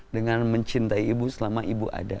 dengan mencintai ibu selama ibu ada